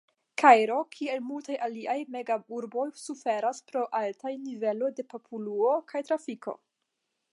Kairo, kiel multaj aliaj mega-urboj, suferas pro altaj niveloj de poluo kaj trafiko.